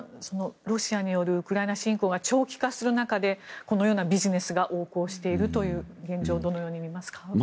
ロシアによるウクライナ侵攻が長期化する中でこのようなビジネスが横行している現状をどのように見ますか？